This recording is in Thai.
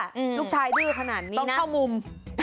ลูกชายดื้อขนาดนี้ต้องเข้ามุม